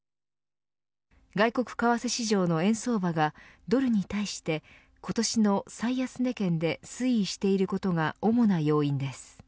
外国為替市場の円相場がドルに対して、今年の最安値圏で推移していることが主な要因です。